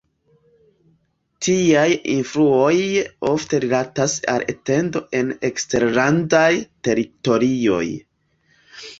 Tiaj influoj ofte rilatas al etendo en eksterlandaj teritorioj.